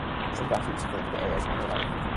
Some documents refer to the area as "Inner Leith".